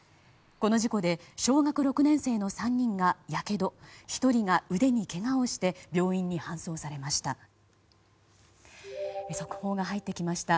この事故で小学６年生の３人がやけど１人が腕にけがをして病院に搬送されました。